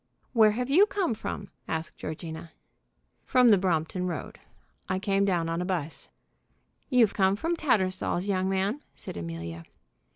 "Where have you come from?" asked Georgina. "From the Brompton Road. I come down on a 'bus." "You've come from Tattersall's, young man!" said Amelia.